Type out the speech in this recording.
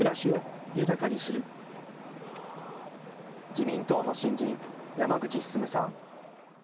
自民党の新人、山口晋さん。